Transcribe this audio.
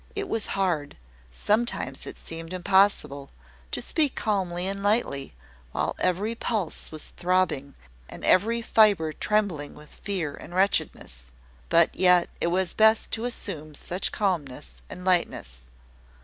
It was hard sometimes it seemed impossible to speak calmly and lightly, while every pulse was throbbing, and every fibre trembling with fear and wretchedness; but yet it was best to assume such calmness and lightness.